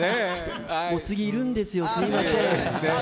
次いるんですよ、すいません